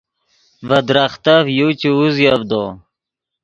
ڤے درختف یو چے اوزیڤدو